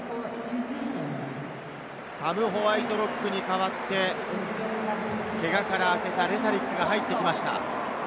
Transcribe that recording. サム・ホワイトロックに代わってけがから明けたレタリックが入ってきました。